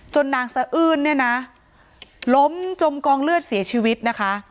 นางสะอื้นเนี่ยนะล้มจมกองเลือดเสียชีวิตนะคะ